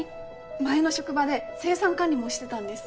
前の職場で生産管理もしてたんです